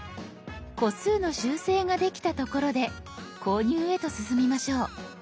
個数の修正ができたところで購入へと進みましょう。